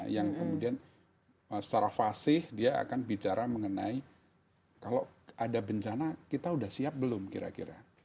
yang kemudian secara fasih dia akan bicara mengenai kalau ada bencana kita sudah siap belum kira kira